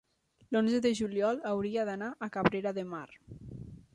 l'onze de juliol hauria d'anar a Cabrera de Mar.